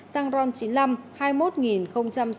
xăng ron chín mươi năm tăng hai mươi một sáu mươi sáu đồng một lít